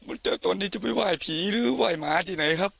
ครับผมเจ้าตนนี้จะไม่ไหว้ผีหรือไหว้หมาที่ไหนครับ